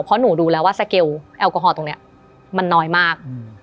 เพราะหนูดูแล้วว่าสเกลแอลกอฮอลตรงนี้มันน้อยมาก